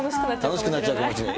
楽しくなっちゃうかもしれない。